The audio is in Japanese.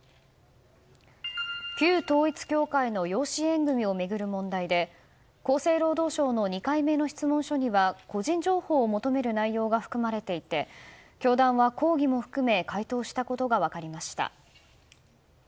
旧統一教会の養子縁組を巡る問題で厚生労働省の２回目の質問書には個人情報を求める内容が含まれていて教団は抗議も含め回答したことが分かりました。